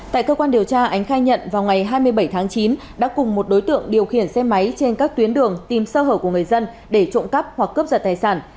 tại cơ quan điều tra ánh khai nhận vào ngày hai mươi bảy tháng chín đã cùng một đối tượng điều khiển xe máy trên các tuyến đường tìm sơ hở của người dân để trộm cắp hoặc cướp giật tài sản